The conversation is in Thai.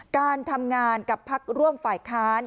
การทำงานกับพักร่วมฝ่ายค้าน